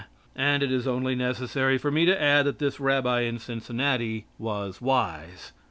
And it is only necessary for me to add that this rabbi in Cincinnati was Wise.